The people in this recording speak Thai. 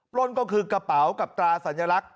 ปล้นก็คือกระเป๋ากับตราสัญลักษณ